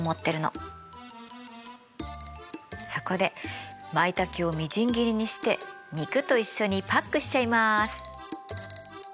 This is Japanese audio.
そこでマイタケをみじん切りにして肉と一緒にパックしちゃいます。